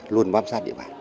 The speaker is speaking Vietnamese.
luôn bám sát địa bàn